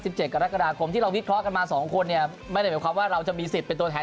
ไว้ถึงวันวาด๑๑๗กรกราค์ที่เราวิทเคราะห์กันมาสองคนเนี่ยไม่ได้หมายความว่าเราจะมีศิษย์โอเค